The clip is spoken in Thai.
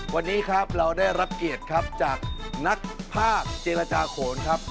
วันนี้ครับเราได้รับเกียรติครับจากนักภาคเจรจาโขนครับ